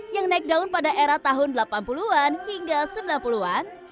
yang naik daun pada era tahun delapan puluh an hingga sembilan puluh an